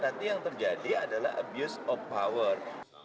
nanti yang terjadi adalah abuse of power